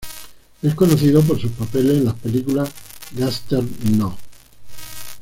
Es conocido por sus papeles en las películas "Gangster No.